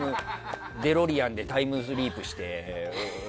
デロリアンでタイムリープして。